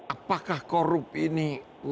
apakah korup ini